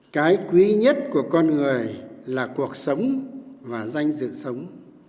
cái quý nhất của con người là cuộc sống và danh dự sống